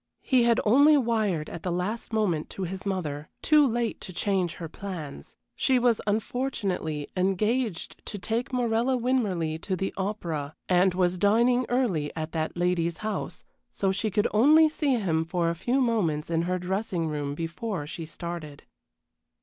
He had only wired at the last moment to his mother, too late to change her plans; she was unfortunately engaged to take Morella Winmarleigh to the opera, and was dining early at that lady's house, so she could only see him for a few moments in her dressing room before she started.